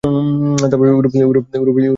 ওরফে বজ্রের দেবতা।